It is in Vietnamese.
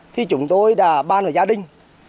thì chúng tôi đã ban vào gia đình